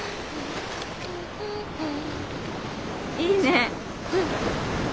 いいね。